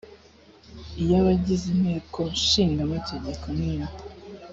iy abagize inteko ishinga amategeko n iya